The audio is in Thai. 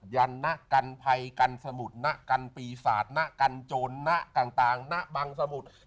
ยัลนะกันภัยกันสมุดนะกันปีศาสตร์นะกันโจรย์นะกวางต่างนะบังสมุด